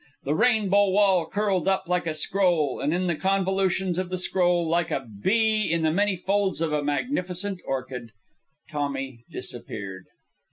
The rainbow wall curled up like a scroll, and in the convolutions of the scroll, like a bee in the many folds of a magnificent orchid, Tommy disappeared.